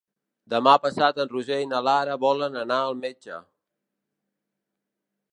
Demà passat en Roger i na Lara volen anar al metge.